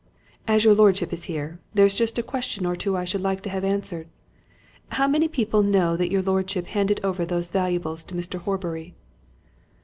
And as your lordship is here, there's just a question or two I should like to have answered. How many people know that your lordship handed over these valuables to Mr. Horbury?"